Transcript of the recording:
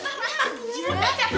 gak usah pegang